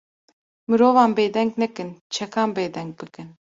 Mirovan bêdeng nekin, çekan bêdeng bikin